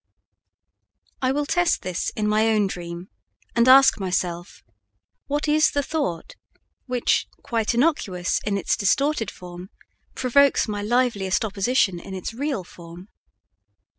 I will test this in my own dream, and ask myself, What is the thought which, quite innocuous in its distorted form, provokes my liveliest opposition in its real form?